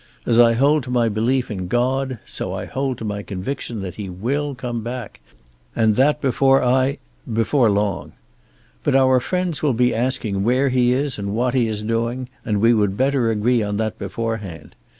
As I hold to my belief in God, so I hold to my conviction that he will come back, and that before I before long. But our friends will be asking where he is and what he is doing, and we would better agree on that beforehand.